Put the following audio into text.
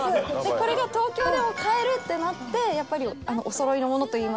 これが東京でも買えるってなってやっぱりおそろいのものといいますか